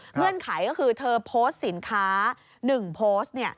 เงื่อนไขก็คือเธอโพสต์สินค้า๑โพสต์